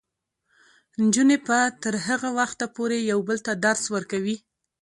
نجونې به تر هغه وخته پورې یو بل ته درس ورکوي.